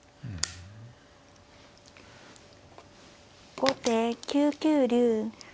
後手９九竜。